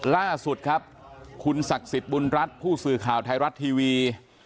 ล่าสุดครับคุณศักดิ์สิทธิ์บุญรัฐผู้สื่อข่าวไทยรัฐทีวี